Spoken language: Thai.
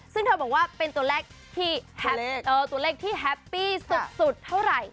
ซึ่งเธอบอกว่าเป็นตัวเล็กที่ตัวเล็กเออตัวเล็กที่แฮปปี้สุดสุดเท่าไหร่